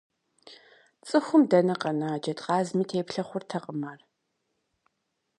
ЦӀыхум дэнэ къэна, джэдкъазми теплъэ хъуртэкъым ар!